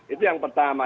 itu yang pertama